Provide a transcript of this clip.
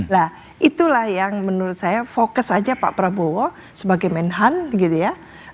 nah itulah yang menurut saya fokus saja pak prabowo sebagai menhan gitu ya